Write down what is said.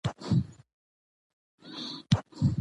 افغانستان د بارانونو په برخه کې نړیوال شهرت لري.